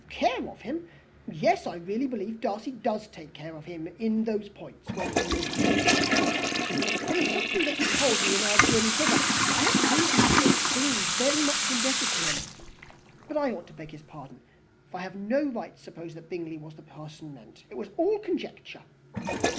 "Care of him! Yes, I really believe Darcy does take care of him in those points where he most wants care. From something that he told me in our journey hither, I have reason to think Bingley very much indebted to him. But I ought to beg his pardon, for I have no right to suppose that Bingley was the person meant. It was all conjecture."